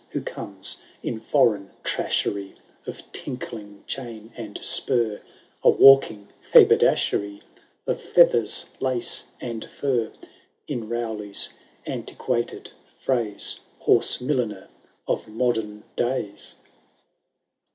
Who comes in fdreign trashery Of tinkling chain and spur, A walking haberdashery. Of feathers, lace, and fur : In Rowley^s antiquated phrase, Hone miUiner ^ of modem days